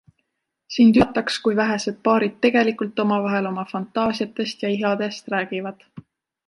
Sind üllataks, kui vähesed paarid tegelikult omavahel oma fantaasiatest ja ihadest räägivad.